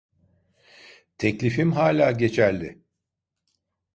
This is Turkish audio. Teklifim hâlâ geçerli.